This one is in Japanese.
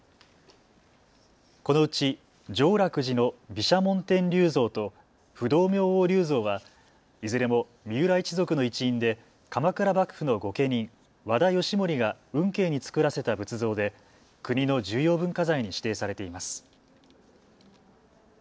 このうち浄楽寺の毘沙門天立像と不動明王立像はいずれも三浦一族の一員で鎌倉幕府の御家人、和田義盛が運慶に作らせた仏像で国の重要文化財に指定されています。